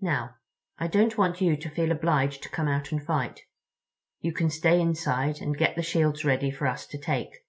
Now, I don't want you to feel obliged to come out and fight. You can stay inside and get the shields ready for us to take.